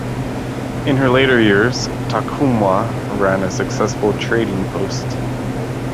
In her later years, Tacumwah ran a successful trading post.